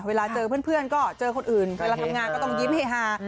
เวลาเจอเพื่อนก็เจอคนอื่นเวลาทำงานก็ต้องยิ้มเฮฮา